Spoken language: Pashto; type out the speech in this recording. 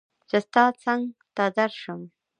چې ستا څنګ ته درشم